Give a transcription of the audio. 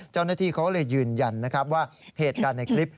เจ้าหน้าที่เขาเลยยืนยันนะครับว่าเหตุการณ์ในคลิป